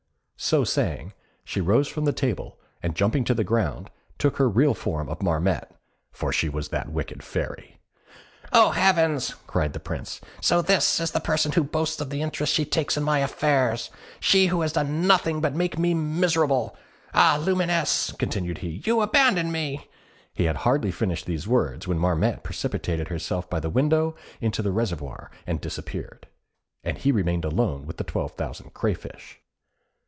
So saying, she rose from the table, and jumping to the ground, took her real form of Marmotte (for she was that wicked fairy). "Oh, heavens!" cried the Prince; "so this is the person who boasts of the interest she takes in my affairs she who has done nothing but make me miserable. Ah, Lumineuse," continued he, "you abandon me!" He had hardly finished these words, when Marmotte precipitated herself by the window into the reservoir and disappeared, and he remained alone with the twelve thousand crayfish.